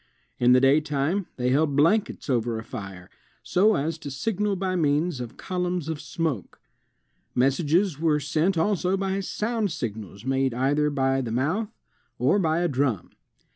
In the daytime they held blankets over a fire, so as to signal by means of colimms of smoke. Messages were sent also by sound signals made either by the mouth or by a drum.